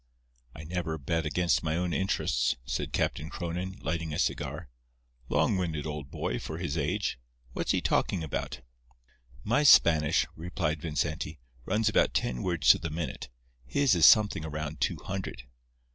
"I never bet against my own interests," said Captain Cronin, lighting a cigar. "Long winded old boy, for his age. What's he talking about?" "My Spanish," replied Vincenti, "runs about ten words to the minute; his is something around two hundred.